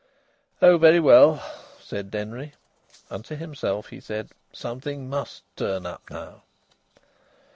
"Oh, very well," said Denry; and to himself he said: "Something must turn up, now."